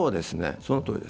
そのとおりです。